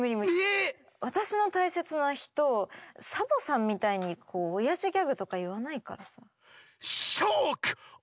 わたしの大切なひとサボさんみたいにおやじギャグとかいわないからさ。